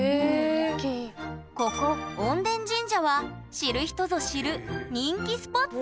ここ穏田神社は知る人ぞ知る人気スポット！